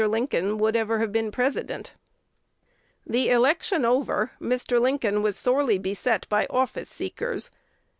Lincoln would ever have been President. The election over, Mr. Lincoln was sorely beset by office seekers.